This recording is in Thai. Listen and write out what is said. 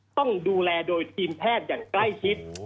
ต้องดูแลโดยทีมแพทย์อย่างใกล้ชิด